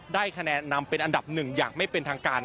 ได้คะแนนนำเป็นอันดับหนึ่งอย่างไม่เป็นทางการ